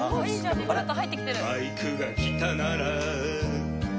ビブラート入ってきてる」